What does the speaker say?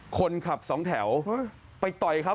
คนขับสองแถวไปต่อยเขา